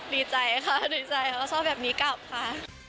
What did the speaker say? ดีใจค่ะดีใจเขาชอบแบบนี้กลับค่ะ